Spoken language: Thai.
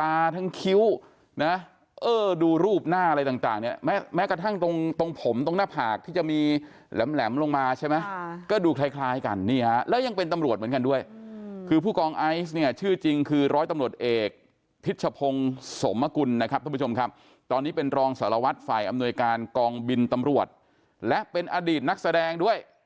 ตาทั้งคิ้วนะเออดูรูปหน้าอะไรต่างเนี่ยแม้กระทั่งตรงตรงผมตรงหน้าผากที่จะมีแหลมลงมาใช่ไหมก็ดูคล้ายกันนี่ฮะแล้วยังเป็นตำรวจเหมือนกันด้วยคือผู้กองไอซ์เนี่ยชื่อจริงคือร้อยตำรวจเอกพิชพงศ์สมกุลนะครับทุกผู้ชมครับตอนนี้เป็นรองสารวัตรฝ่ายอำนวยการกองบินตำรวจและเป็นอดีตนักแสดงด้วย